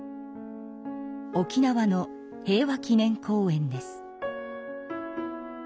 沖縄の平和祈念公園です。